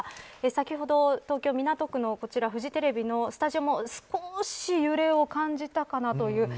先ほど東京、港区のこちらフジテレビのスタジオも少し揺れを感じたかなという。